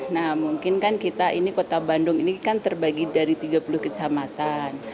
nah mungkin kan kita ini kota bandung ini kan terbagi dari tiga puluh kecamatan